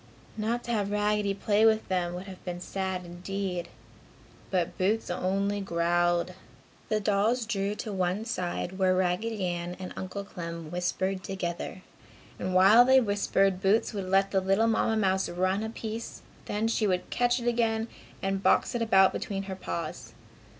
Not to have Raggedy play with them would have been sad, indeed. But Boots only growled. The dolls drew to one side, where Raggedy Ann and Uncle Clem whispered together. And while they whispered Boots would let the little Mamma mouse run a piece, then she would catch it again and box it about between her paws.